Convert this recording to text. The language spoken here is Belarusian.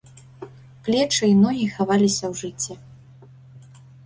Плечы і ногі хаваліся ў жыце.